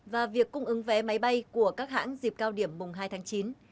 và việc cung ứng vé máy bay của các hãng dịp cao điểm mùng hai tháng chín